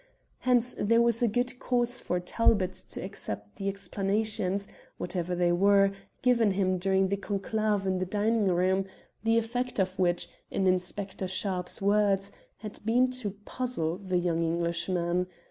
Hence there was a good cause for Talbot to accept the explanations, whatever they were, given him during the conclave in the dining room; the effect of which, in Inspector Sharpe's words, had been to "puzzle" the young Englishman.